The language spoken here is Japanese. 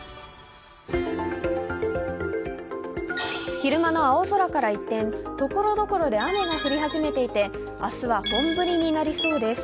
昼間の青空から一転、ところどころで雨が降りだしていて明日は本降りになりそうです。